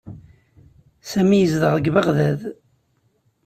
Sami yezdeɣ deg Beɣdad.